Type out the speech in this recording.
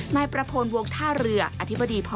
นายประพลวงท่าเรืออธิบดีพ